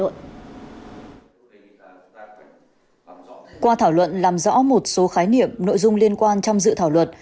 qua thảo luận làm rõ một số khái niệm nội dung liên quan trong dự thảo luật